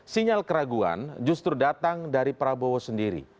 sinyal keraguan justru datang dari prabowo sendiri